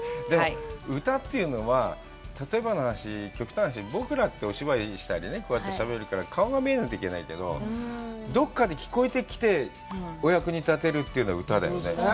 歌というのは、例えばの話、極端な話、僕らってお芝居したり、こうやってしゃべるから顔が見えないといけないけど、どこかで聞こえてきてお役に立てるというのが歌だよね。